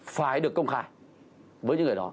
phải được công khai với những người đó